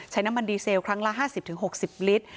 น้ำมันดีเซลครั้งละ๕๐๖๐ลิตร